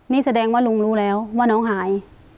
นี่แสดงว่าลุงรู้แล้วว่าน้องหาย